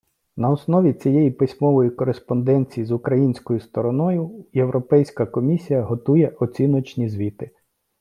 На основі цієї письмової кореспонденції з українською стороною Європейська комісія готує оціночні звіти.